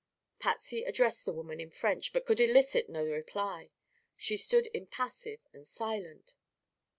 Patsy addressed the woman in French but could elicit no reply. She stood impassive and silent.